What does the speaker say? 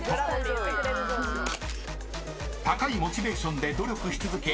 ［高いモチベーションで努力し続け